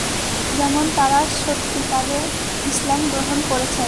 যেমন তারা সত্যিকারে ইসলাম গ্রহণ করেছেন।